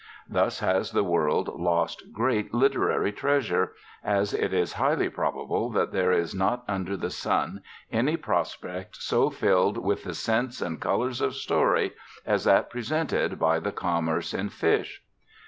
Thus has the world lost great literary treasure, as it is highly probable that there is not under the sun any prospect so filled with the scents and colours of story as that presented by the commerce in fish.